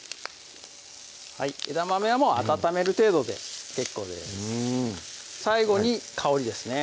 枝豆はもう温める程度で結構ですうん最後に香りですね